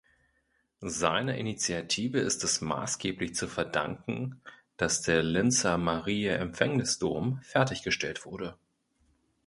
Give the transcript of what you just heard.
Seiner Initiative ist es maßgeblich zu verdanken, dass der Linzer Mariä-Empfängnis-Dom fertiggestellt wurde.